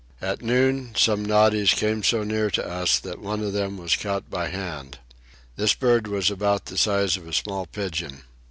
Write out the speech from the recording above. At noon some noddies came so near to us that one of them was caught by hand. This bird was about the size of a small pigeon.